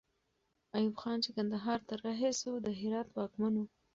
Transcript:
ایوب خان چې کندهار ته رهي سو، د هرات واکمن وو.